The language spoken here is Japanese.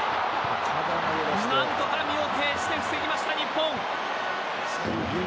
何とか身をていして防ぎました日本。